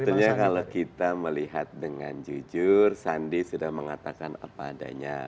sebetulnya kalau kita melihat dengan jujur sandi sudah mengatakan apa adanya